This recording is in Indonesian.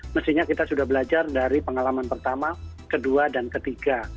mestinya kita sudah belajar dari pengalaman pertama kedua dan ketiga